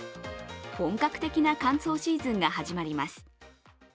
本格的な感想シーズンが始まります。